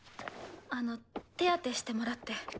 あの手当てしてもらって。